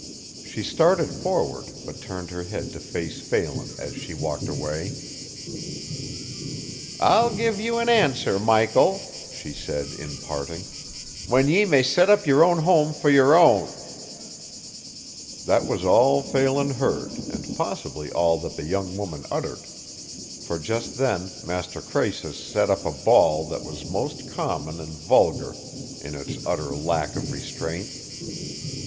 She started forward, but turned her head to face Phelan as she walked away. "I'll give you an answer, Michael," she said in parting, "when ye may set up your own home for your own" That was all Phelan heard and possibly all that the young woman uttered, for just then Master Croesus set up a bawl that was most common and vulgar in its utter lack of restraint.